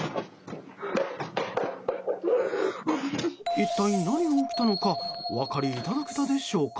一体、何が起きたのかお分かりいただけたでしょうか。